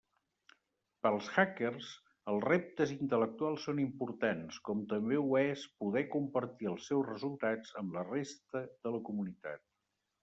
Per als hackers, els reptes intel·lectuals són importants, com també ho és poder compartir els seus resultats amb la resta de la comunitat.